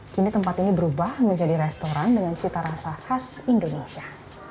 kini tempat ini berubah menjadi restoran dengan cita rasa khas indonesia